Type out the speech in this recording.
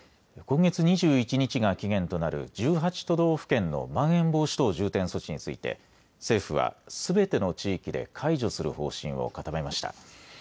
今月２１日が期限となる１８都道府県のまん延防止等重点措置について政府はすべての地域で解除する方針を固めました。